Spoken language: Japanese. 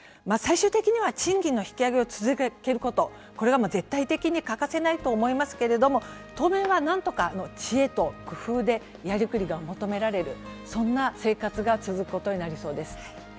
最終的には賃金の引き上げを続けることこれが絶対的に欠かせないと思いますけれども当面は、なんとか知恵と工夫でやりくりが求められるそんな生活が続くことになりそうです。